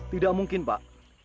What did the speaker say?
tidak mungkin pak